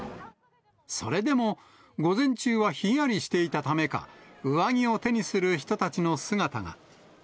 それでも午前中はひんやりしていたためか、上着を手にする人たちの姿が。